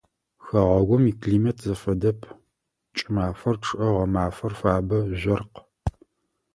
Хэгъэгум иклимат зэфэдэп: кӏымафэр чъыӏэ, гъэмафэр фабэ, жъоркъ.